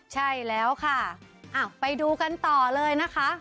ใช่แล้วค่ะไปดูกันต่อเลยนะคะ